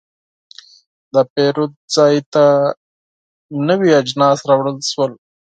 د پیرود ځای ته نوي اجناس راوړل شول.